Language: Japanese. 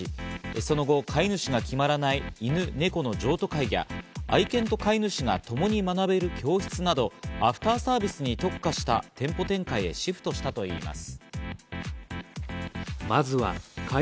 その後、飼い主が決まらない犬、猫の譲渡会や愛犬と飼い主がともに学べる教室など、アフターサービスに特化した店舗展開へシフトしたといいます。